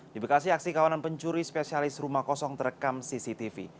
di bekasi aksi kawanan pencuri spesialis rumah kosong terekam cctv